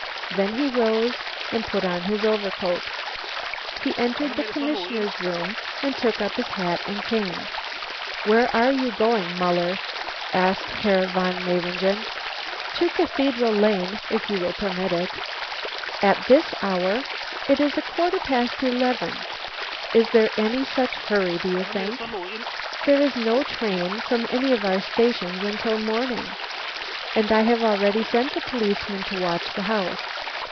Then he rose and put on his overcoat. He entered the commissioner's room and took up his hat and cane. "Where are you going, Muller?" asked Herr Von Mayringen. "To Cathedral Lane, if you will permit it." "At this hour? it is quarter past eleven! Is there any such hurry, do you think? There is no train from any of our stations until morning. And I have already sent a policeman to watch the house.